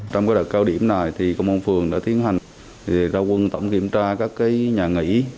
trong đợt cao điểm này công an phường đã tiến hành ra quân tổng kiểm tra các nhà nghỉ